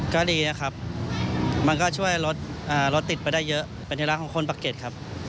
ก็ดีนะครับมันก็ช่วยรถติดไปได้เยอะเป็นที่รักของคนปะเก็ตครับ